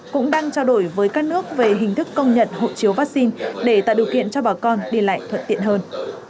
cũng đang trao đổi với các nước về hình thức công nhận hộ chiếu vaccine để tạo điều kiện cho bà con đi lại thuận tiện hơn